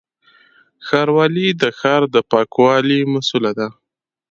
ښاروالي د ښار د پاکوالي مسووله ده